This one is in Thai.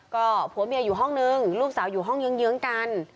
ก็ผัวเมียอยู่ห้องนึงลูกสาวอยู่ห้องเยื้องกัน